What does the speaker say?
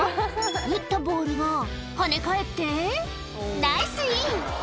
打ったボールが跳ね返ってナイスイン！